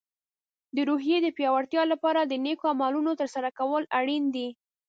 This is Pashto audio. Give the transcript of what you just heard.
د روحیې د پیاوړتیا لپاره د نیکو عملونو ترسره کول اړین دي.